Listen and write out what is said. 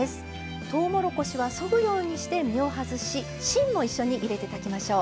とうもろこしはそぐようにして実を外し芯も一緒に入れて炊きましょう。